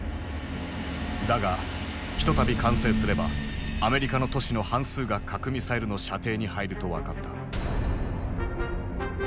だがひとたび完成すればアメリカの都市の半数が核ミサイルの射程に入ると分かった。